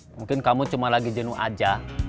mungkin kamu cuma lagi jenuh aja